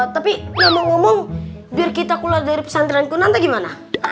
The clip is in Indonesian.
tapi ngomong ngomong biar kita keluar dari pesantren kunanta gimana